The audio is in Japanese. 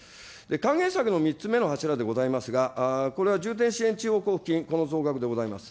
還元策の３つ目の柱でありますが、これは重点支援地方交付金、この増額でございます。